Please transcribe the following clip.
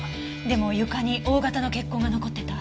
でも床にＯ型の血痕が残ってた。